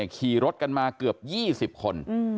ขี่รถกันมาเกือบ๒๐คน